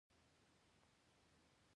پلونه او سړکونه ترمیموي.